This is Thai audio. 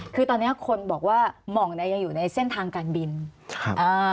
คือตอนเนี้ยคนบอกว่าหม่องเนี้ยยังอยู่ในเส้นทางการบินครับอ่า